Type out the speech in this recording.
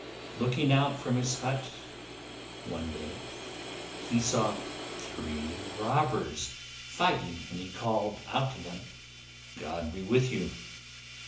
Looking out from his hut one day he saw three robbers fighting and he called out to them, 'God be with you.